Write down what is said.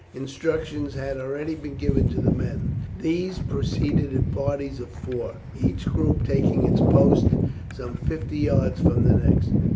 Instructions had already been given to the men. These proceeded in parties of four, each group taking its post some fifty yards from the next.